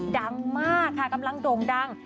ดังมากค่ะกำลังโด่งดัง